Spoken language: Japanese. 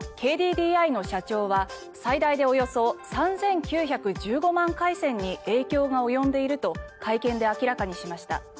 ＫＤＤＩの社長は最大でおよそ３９１５万回線に影響が及んでいると会見で明らかにしました。